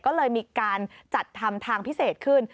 ก็เลยมีการจัดทำทางพิเศษขึ้น